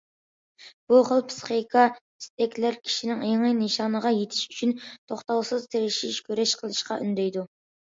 بۇ خىل پىسخىكا، ئىستەكلەر كىشىنى يېڭى نىشانىغا يېتىش ئۈچۈن توختاۋسىز تىرىشىش، كۈرەش قىلىشقا ئۈندەيدۇ.